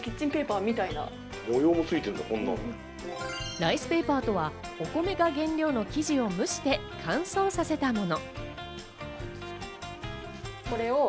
ライスペーパーとはお米が原料の生地を蒸して乾燥させたもの。